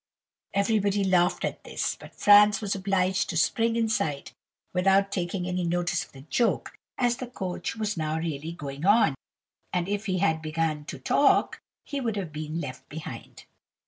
Everybody laughed at this, but Franz was obliged to spring inside, without taking any notice of the joke, as the coach was now really going on; and if he had began to talk, he would have been left behind.